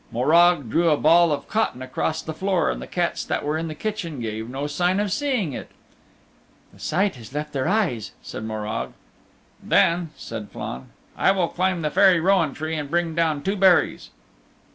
Morag drew a ball of cotton across the floor, and the cats that were in the kitchen gave no sign of seeing it. "The sight has left their eyes," said Morag. "Then," said Flann, "I will climb the Fairy Rowan Tree and bring down two berries."